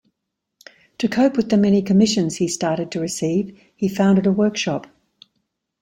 To cope with the many commissions he started to receive, he founded a workshop.